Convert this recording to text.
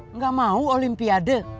enggak mau olimpiade